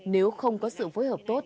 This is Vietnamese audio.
nếu không có sự phối hợp tốt